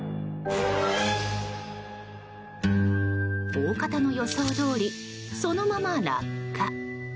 大方の予想どおりそのまま落下。